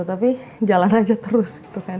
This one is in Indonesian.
tapi jalan aja terus gitu kan